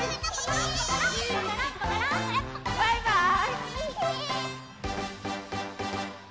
バイバイ！